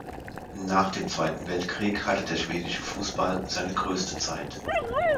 Nach dem Zweiten Weltkrieg hatte der schwedische Fußball seine größte Zeit.